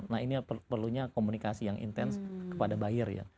nah ini perlunya komunikasi yang intens kepada buyer ya